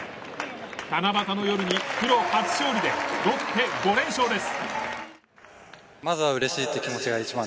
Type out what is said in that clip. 七夕の夜にプロ初勝利でロッテ５連勝です。